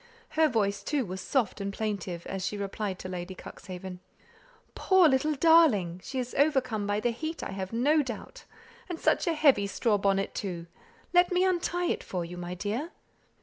Her voice, too, was soft and plaintive, as she replied to Lady Cuxhaven, "Poor little darling! she is overcome by the heat, I have no doubt such a heavy straw bonnet, too. Let me untie it for you, my dear."